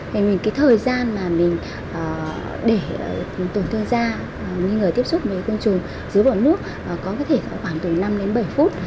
thế mình cái thời gian mà mình để tổn thương da nghi ngờ tiếp xúc với côn trùng dưới vỏ nước có thể khoảng từ năm đến bảy phút